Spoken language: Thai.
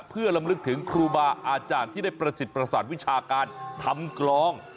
เพื่อลำลึกถึงครูบาอาจารย์ที่ได้ประสิทธิประสาทวิชาการทำกลอง